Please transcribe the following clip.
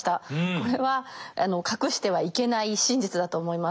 これは隠してはいけない真実だと思います。